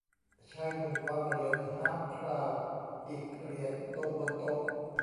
ชายหนุ่มวางเหรียญฮาล์ฟคราวน์อีกเหรียญลงบนโต๊ะ